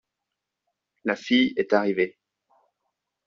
La fille est arrivée.